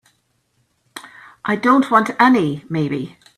I don't want any maybe.